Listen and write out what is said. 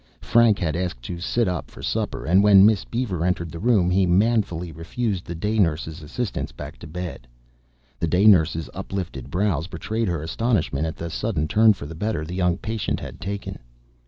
Frank had asked to sit up for supper and when Miss Beaver entered the room he manfully refused the day nurse's assistance back to bed. The day nurse's up lifted brows betrayed her astonishment at the sudden turn for the better the young patient had taken.